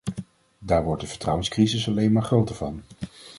Daar wordt de vertrouwenscrisis alleen maar groter van.